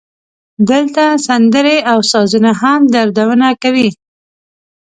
دلته سندرې او سازونه هم دردونه کوي